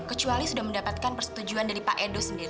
kecuali sudah mendapatkan persetujuan dari pak edo sendiri